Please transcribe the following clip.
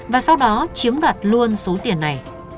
và sau đó chiếm đoạt luôn số tiền này